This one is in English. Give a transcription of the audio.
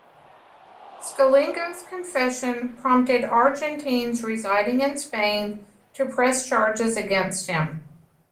Scilingo's confession prompted Argentines residing in Spain to press charges against him.